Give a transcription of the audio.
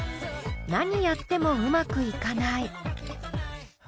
「なにやってもうまくいかない」。